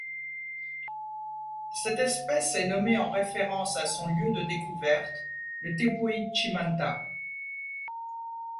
Cette espèce est nommée en référence à son lieu de découverte, le Tepuy Chimantá.